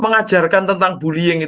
mengajarkan tentang bullying